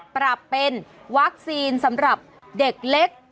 ปรับเป็นวัคซีนสำหรับเด็กเล็ก